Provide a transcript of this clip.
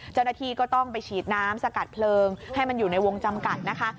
เจ้าหน้าที่ก็ต้องไปฉีดน้ำสกัดเพลิงให้มันอยู่ในวงจำกัดนะคะ